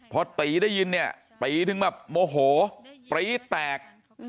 พอตีได้ยินเนี่ยตีถึงแบบโมโหปรี๊แตก